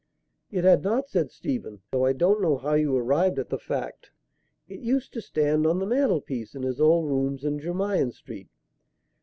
"It had not," said Stephen, "though I don't know how you arrived at the fact. It used to stand on the mantelpiece in his old rooms in Jermyn Street."